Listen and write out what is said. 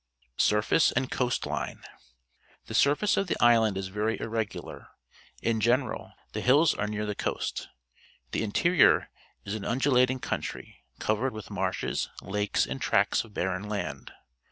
Surface and Coast line. — The surface of the island is very irregular. In general, the hills are near the coast. The interior is an undulating country, covered with marshes, lakes, and tracts of barren land.